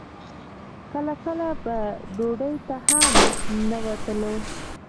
کله کله به ډوډۍ ته هم نه وتلو.